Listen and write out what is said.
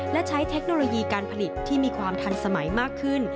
และใช้เทคโนโลยีการผลิตที่มีความทันสมัยมากขึ้น